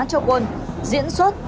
cho quân diễn xuất